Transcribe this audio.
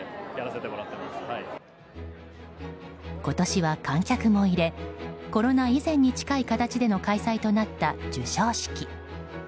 今年は観客も入れコロナ以前に近い形での開催となった授賞式。